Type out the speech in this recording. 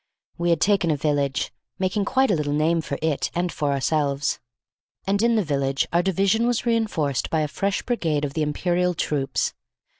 We had taken a village, making quite a little name for it and for ourselves, and in the village our division was reinforced by a fresh brigade of the Imperial troops.